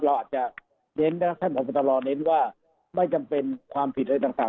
เราอาจจะเน้นนะท่านพบตรเน้นว่าไม่จำเป็นความผิดอะไรต่าง